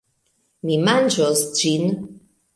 Mi manĝos ĝin.